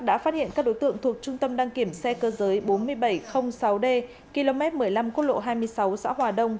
đã phát hiện các đối tượng thuộc trung tâm đăng kiểm xe cơ giới bốn nghìn bảy trăm linh sáu d km một mươi năm quốc lộ hai mươi sáu xã hòa đông